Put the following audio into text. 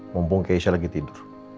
mumpung keisha lagi tidur